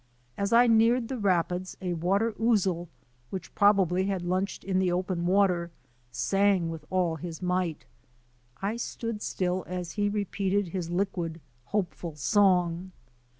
As I neared the rapids, a water ouzel, which probably had lunched in the open water, sang with all his might. I stood still as he re peated his liquid, hopeful song.